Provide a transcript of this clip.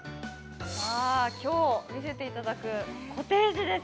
さぁ、今日見せていただくコテージです。